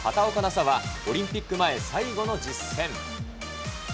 紗は、オリンピック前、最後の実戦。